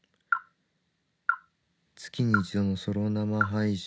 「月に一度のソロ生配信